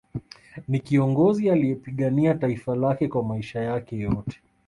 Ni kiongozi aliyepigania taifa lake kwa maisha yake yote